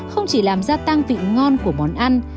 không chỉ làm gia tăng vị ngon của món ăn